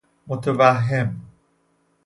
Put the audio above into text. متوهم